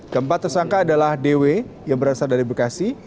keempat tersangka adalah dw yang berasal dari bekasi